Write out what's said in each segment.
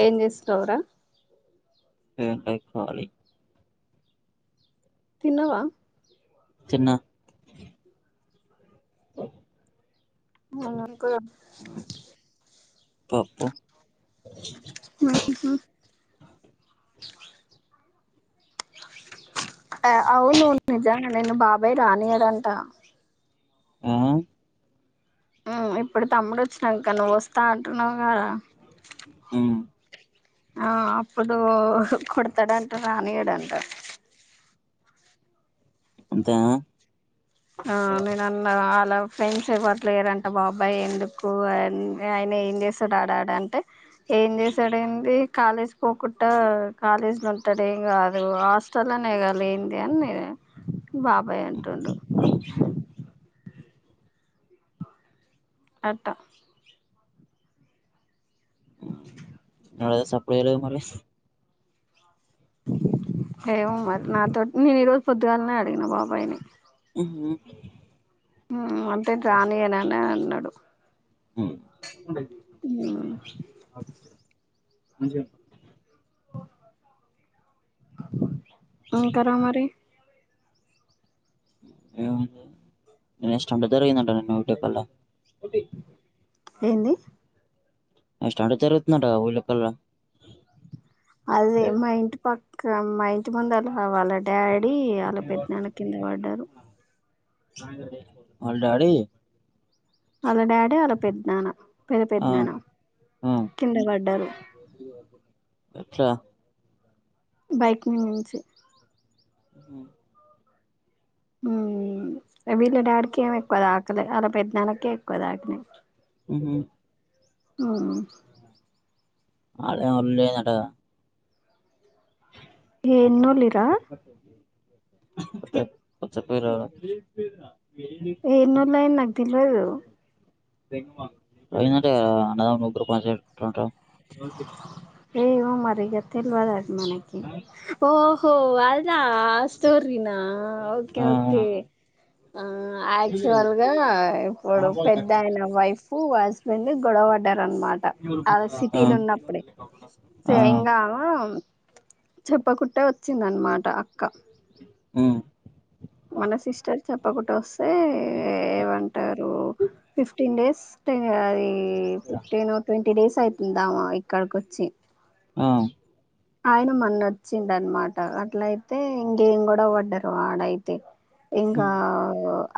ఏం చేస్తున్నావ్ రా ఏం లే కాలి తీ న్నవా తిన్నా ఓ అవును అంకుల్ పప్పు ఉ ఆ అవును నిజాంగా నిన్ను బాబాయ్ రానీయడంట ఆ ఉ ఇప్పుడు తమ్ముడు వచ్చినంక నువ్వు వస్తా అంటున్నవుగా ఉ ఆ అప్పుడు కొడతాడంట రానియడంట అంతేనా ఆ నేనున్న ఆల ఫ్రెండ్స్ ఎవరు లేరంట బాబాయి ఎందుకు ఆయన ఏం చేస్తాడు ఆడాడంటే ఏం చేశాడండి కాలేజీ పోకుడా కాలేజీలో ఉంటాడు ఏం కాదు హాస్టల్ ఏంటి అని ఉన్న బాబాయ్ అంటుండు ఉ హో అడ డోర్ సౌండ్ సప్లై చేయాలి మరి ఏమ మరి నాతో నేను ఈరోజు పొద్దుగాలనే అడిగిన బాబాయిని ఉ అంటే రానీయనని అన్నాడు ఉ మంచి ఉంటారో మరి ఎట్లా జరిగిందంట ఏంది స్టాటజీ తరుగుతుందంటా ఊళ్లే అదే మా ఇంటి పక్క మా ఇంటి ముందు వాల డాడీ డి వాళ్ళ పెదనాన్న కింద పడ్డారు వాళ్ల డాడీ వాళ్ళ డాడీ వాళ్ళ పెద్ద నాన్న పెద్ద పెద్ద ఆ నాన్న ఆ కింద పడ్డారు ఎట్లా బైక్ మీద నుంచి ఉ వీళ్ళ డాడికి ఏమి ఎక్కువ తాకలే అలా పెద్ద నాన్నకి ఎక్కువ తాకినాయి ఉ హు ఉ ఆడ ఉండు లేదట కదా ఏం లొల్లి రా కొంచం పేరు ఏం లొల్లి నాకు తెలియదు పోయిందట కదా అన్నదమ్ముల ముగ్గురు పంచాయతీ ఏమో మరి తెల్వదు అది మనకి ఓహో లాస్ట్ స్టోరినా ఆ ఓకేఓకే ఆ యాక్చువల్గా ఇప్పుడు పెద్దయిన వైఫ్ వెళ్లి గొడవాడ్డారు అనమాట అద సి ఆ ఆ ఉన్న అప్పుడే అసలు ఆ ఏం కావాలో చెప్పకుట్టే వచ్చింది అనమాట అక్క మ్మ్ మన సిస్టర్ చెప్పకుండా వస్తే ఏమంటారు ఫిఫ్టీన్ డేస్ ఫట్ అది ఫిఫ్టీన్ ట్వంటీ డేస్ అవుతుందాము ఇక్కడికి వచ్చి అ ఆయన మన్న వచ్చిండి అనమాట అట్ల అయితే ఇంకేం గొడవ పడ్డారు వాడైతే ఇంకా హ్మ్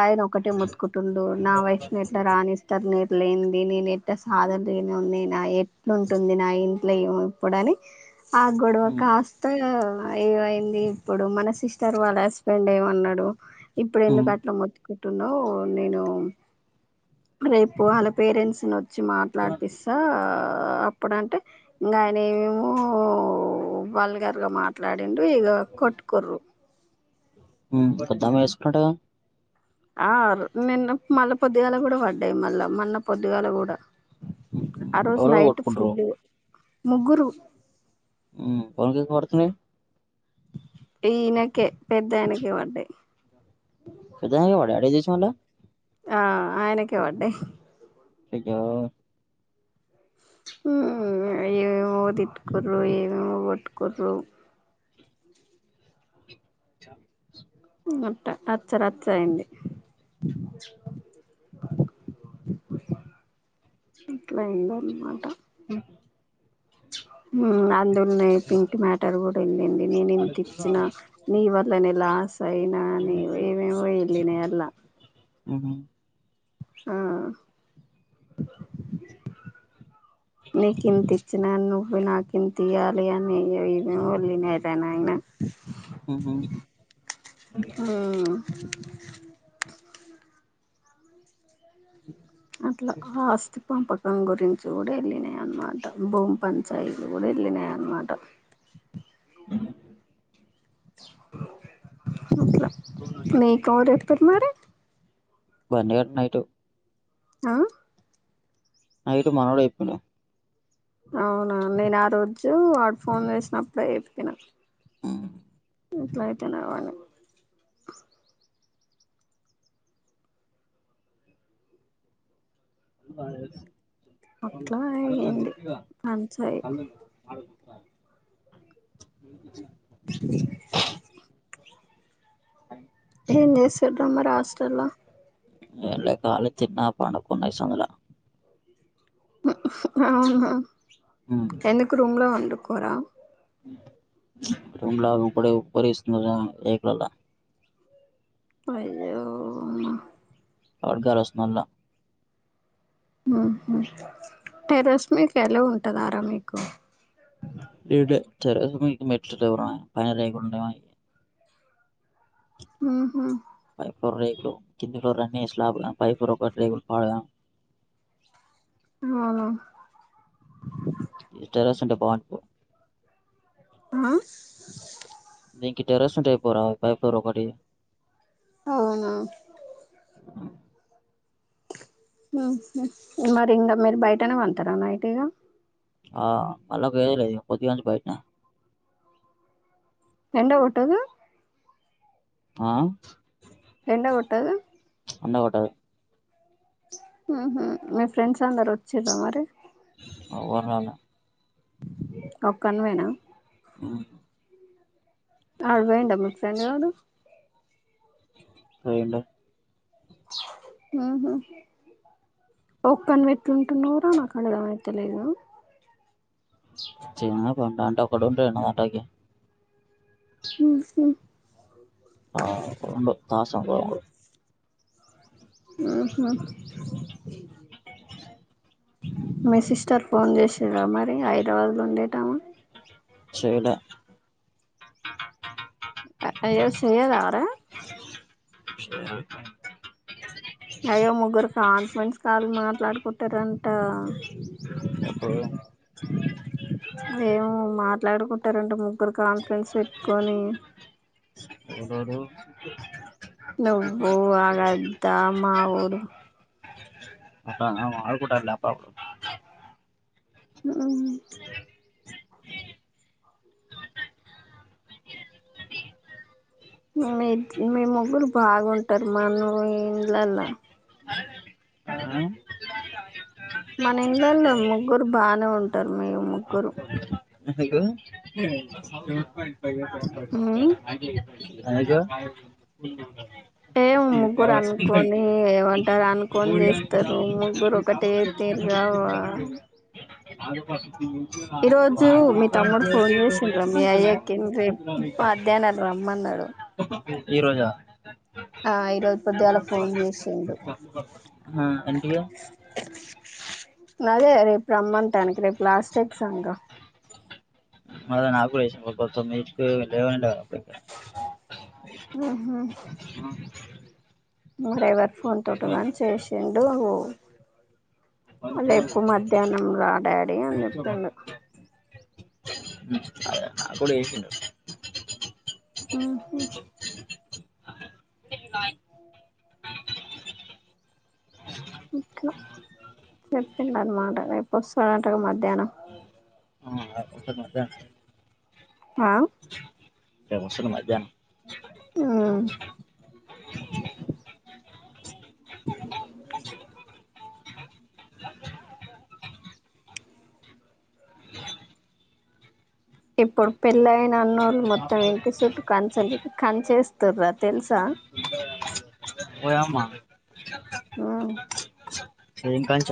ఆయన ఒకటే మొతుకుంటుడు నా వయసుని ఎట్లా రానిస్తారు నేను లేను నేను ఎట్ సాదన ఉంది నా ఎట్లుంటుంది నా ఇంట్లో ఇప్పుడని ఆ గొడవ హ్మ్ కాస్త ఏమైంది ఇప్పుడు మన సిస్టర్ వాళ్ళ హస్బెండ్ ఏమ అన్నాడు ఇప్పుడు హ్మ్ ఎందుకు అట్లా మొ కుటున్నావ్ నేను రేపు వాళ్ళ పేరెంట్స్ ను వచ్చి మాట్లాడిపిస్తా అప్పుడంటే ఇంకా ఆయన ఏమేమో వల్గర్గా మాట్లాడ డు ఈగా కొట్కోరుు కొద్దామ వేసుకున్నాట్గా ఆ నిన్న మళ్ళా పొద్దుగాల కూడా పడ్డాయి మళ్ళా మళ్న్న పొద్దుగాల కూడా ఆ రోజు ఎవరెవరు నైట్ కొట్టుకుంట్రు ఫుల్ ముగ్గురు హ్మ్ కొకిబర్తున్నాయి ఈనకే పెద్ద ఆయనకే పడ్డాయి పెద వాడ అడే చేస లా ఆ ఆయనకే పడ్డాయి ఇకా ఏవేమో తిట్టుకూరు ఏమేమో కొట్టుకురు ముట్ట రచ్చరచ్చ అయింది అట్లా అయింది అనమాట హ్మ్ మ్మ్ అందులోనే పింక్ మ్యాటర్ కూడా ఏందిండి నేను ఇంత ఇచ్చిన నీ వర్ ఇలానే లాస్ ఆయినా నే ఏవేవో ఆల్లినే అలా హ్మ్ ఆ మీ కితిచ్చనా నువ్వు నాకు ఇంత ఇయ్యాలి అని వెళ్ళు ఏమో వెళ్ళినార పెనయినా హ్మ్ [unintelligible] మట్లా ఆస్తి పా పక్క రం గురించి కూడా వెళ్ళినాయి అన్నమాట భూమి పంచాయితీలు కూడా వెళ్ళినాయ అన్నమాట [unintelligible] మిక్ ఎవరు చెప్పిరు మరి బన్ కటనయిట్ ఆ అయితే మనోడే చెప్పిన అవునా నేను ఆ రోజు వాడు ఫోన్ చేసినప్పుడే చెప్పినా ఎట్లా అయితేవ్వాలి అట్లా అరవద అయింది దిప్పవాప్పు పంచాయి కళ్డ [inaudible] [inaudible] ఏం చేస్తూరు మరి హస్టల్లా ఏం లే కాలి తిన్న పనుకున్న ఈ సానిలో అవునా హ్మ్ ఎందుకు రూమ్లా వండుకోరా రూమ్ లో రూప డే ఉప్పరి పరిస్తుంద ఏక్ లల్లా అయ్యో అడుగాసమలా ఆహా టెరస్ మీ కల ఉ వెటకారం ఎక్కువ టెర్రర్స్ మీదకి మెట్లు లేవుర పైన రేకులు ఉన్నాయి ఊహు కో రేకు కింది రన్నిలా పై ర పాడుగ ఆవునా పన్పు ఆ నీకి టెరస్ ఉంటాయి పోరా పై ఫ్లోర్ ఒకటి అవునా ఆహా మరి ఇంకా మీరు బయటనే పంట రా నైట్ ఇగ ఆ ఆలకు ఎది లేదు పోదుగాళ్ల నుంచి బయట ఉన్న ఎండ కొట్టదు ఆ ఎండ కొట్టదు ఎండ కొట్టదు హమ్ మీ ఫ్రెండ్స్ అందరు వచ్చిర మరి ఎవరు రాలే ఒకనివేన ఉ ఆడు పోయిండా మీ ఫ్రెండ్ గాడు పోయిండు ఉమ్ ఒక్కనివే ఎట్లా ఉంటున్నావు రా నాకు అర్థం కాలే తెలియదు చి కొంట అంట ఒకడు రెండు గంటలకి ఉమ్ ఆ ఉండు తాసఫా ఒకడు ఉహు మీ సిస్టర్ ఫోన్ చేసారా మరి హైదరాబాద్ లో ఉండేటమా చెయ్యాలా అయ్యో చేయదా మరి చేయలే అయ్యో ముగ్గురు కాన్ఫరెన్స్ కాల్ మాట్లాడుకుంటారంట ఇప్పుడు ఏమో మాట్ మాట్లాడుకుంటారంట ముగ్గురు కాన్ఫరెన్స్ పెట్టుకొని ఎవరు నువ్వు ఆగద్దా మావోడు అట్టన ఆడుకుంటాడి అప్పుడప్పుడు ఉమ్ మే ఈద్ ముగ్గురు బాగుంటారు మన ఇండ్లలా హ్మ్. మన ఇంళ్లల్లో ముగ్గురు బాగానే ఉంటారు మీరు ముగ్గురు ఎందుకు ఉమ్ ఎందుకు ఏమో ముగ్గురు అనుకొని ఏమంటారు అనుకొని చేస్తారు ముగ్గురు ఒకటే తీరుగా చెప్పినాడు [inaudible] చ కస ఈ రోజు మీ తమ్ముడు ఫోన్ చేసిండ్రా మీ అయ్యకి రేపు మధ్యాహ్నం రమ్మన్నాడు [unintelligible] [inaudible] ఇ ఈ రోజా ఆ ఈరోజు పొద్దుగాల ఫోన్ చేసిండు హా ఏంటి గా అదే రేపు రమ్మంటాననికి రేపు లాస్ట్ ఎగ్జామ్ గా అదే నాకులేస [unintelligible] లేవంట కదా ఉమ్ హు మరెవరి ఫోన్ తోటోగని చేసిండు రేపు మధ్యాహ్నం రా డాడీ అని చెప్పిండు ఉ అదే పొడి ఉమ్ హు ఉన్నాయ్ ఇట్లా చెప్పిందానమాట రేపు వస్తాడంటగా మధ్యాహ్నం ఆ [unintelligible] హ రేపు వస్తుంది మధ్యాహ్నం ఉమ్ ఇప్పుడు పెళ్ళయిన అన్నోళ్ళు మొత్తం ఇంటి చుట్టూ కంచ కంచేస్తూర్రా తెలుసా ఓయమ్మ ఉమ్ ఏం కంచ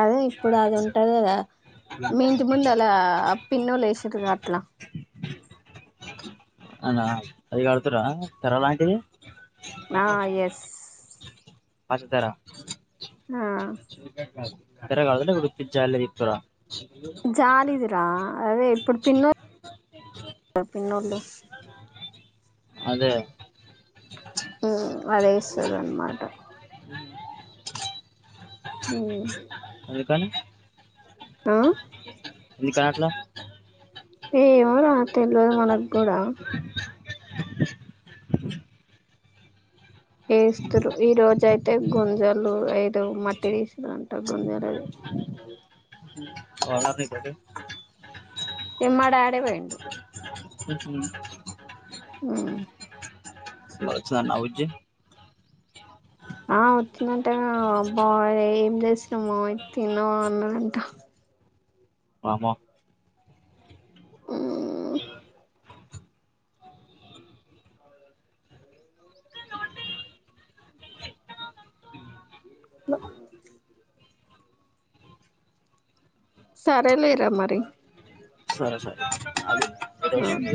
అదే ఇప్పుడు అది ఉంటది కదా మీ ఇంటి ముందు అలా పిన్నోళ్లు వేసుండ్రుగాట్లా అవునా అది కడుతురా తెర లాంటిది ఆ ఎస్ అడ్డు తెర ఆ తెర ఉత్తిగ జాల్డ్రీ తిప్పుతుర్ర జాలిదీరా అదే ఇప్పుడు పినొల్లు అదే ఉమ్ అదేస్తుర్రూ అన్నమాట ఉమ్ అందుకని ఆ నీ కాట్లా ఏమోరా తెల్వదు మనకూడా వేస్తురు ఈ రోజ అయితే గుంజలు ఏదో మట్టి తీసురంట గుంజలు అది మ్ వారానికోటి ఎమ్మాడాడి పోయిండు ఉమ్ హు ఉమ్ సుధ వచ్చిందంటనా ఊరికి ఆ వచ్చిందంటగా అబ్బా ఏం చేసినము తిన్నావు అన్నారంటా మామ ఉమ్ న సరే లే రా మరి సరే సరే